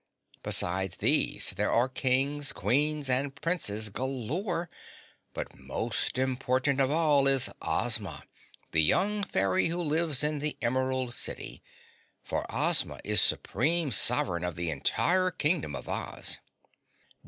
Besides these, there are Kings, Queens and Princes galore, but most important of all is Ozma, the young Fairy who lives in the Emerald City, for Ozma is supreme sovereign of the entire Kingdom of Oz."